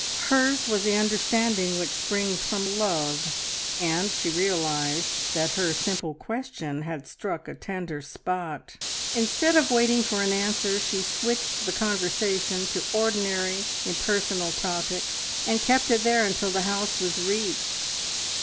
Hers was the understanding which springs from love, and she realised that her simple question had struck a tender spot. Instead of waiting for an answer she switched the conversation to ordinary, impersonal topics, and kept it there until the house was reached.